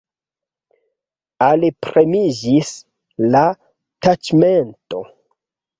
Alpremiĝis la taĉmento.